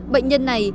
bệnh nhân này